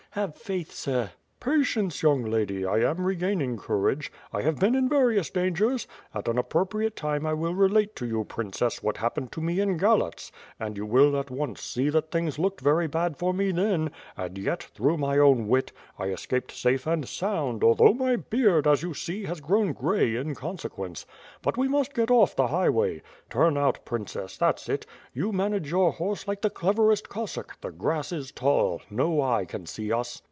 Have faith, sir!" "Patience, young lady; I am regaining courage; I have been in various dangers; at an appropriate time I will relate to you, princess, what happened to me in Galatz, and you will at once see that things looked very bad for me then, and yet, ^44 WITH FIRE AND SWORD. through my own wit, I escaped safe and sound, although my beard, as you see, has grown gray in consequence. But we niu&t get off the highway. Turn out, princess; that's it; you manage your horse like the cleverest Cossack; the grass is tall; no eye can see us."